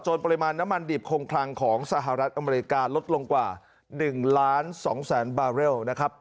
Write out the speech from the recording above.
ปริมาณน้ำมันดิบคงคลังของสหรัฐอเมริกาลดลงกว่า๑ล้าน๒แสนบาเรลนะครับ